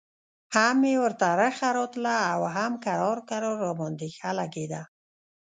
هم مې ورته رخه راتله او هم کرار کرار راباندې ښه لګېده.